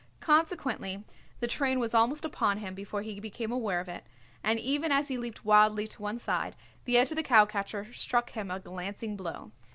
Consequently the train was almost upon him before he became aware of it, and even as he leaped wildly to one side the edge of the cowcatcher struck him a glancing blow.